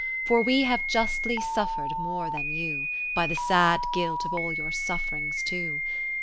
40 For we have justly suffered more than you By the sad guilt of all your sufferings too.